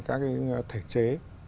các cái thể chế